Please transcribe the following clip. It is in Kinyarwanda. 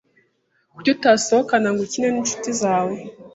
Kuki utasohoka ngo ukine ninshuti zawe?